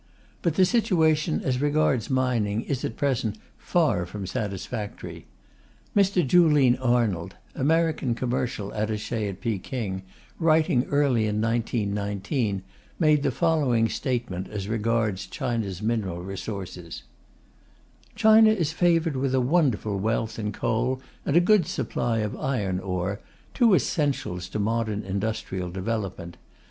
But the situation as regards mining is at present far from satisfactory. Mr. Julean Arnold, American Commercial Attaché at Peking, writing early in 1919, made the following statement as regards China's mineral resources: China is favoured with a wonderful wealth in coal and in a good supply of iron ore, two essentials to modern industrial development.